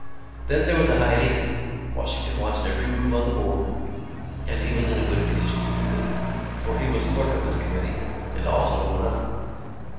Then there was a hiatus. Washington watched every move on the board, and he was in a good position to do this, for he was clerk of this committee, and also one other.